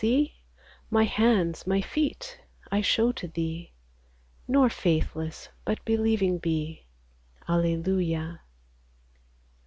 see ; My hands, my feet, I show to thee : Nor faithless, but believing be." Alleluia